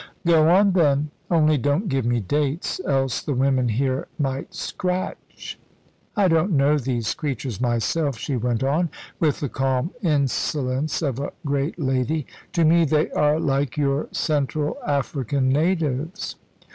"Go on, then. Only don't give me dates, else the women here might scratch. I don't know these creatures myself," she went on, with the calm insolence of a great lady; "to me they are like your Central African natives."